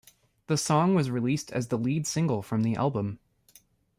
The song was released as the lead single from the album.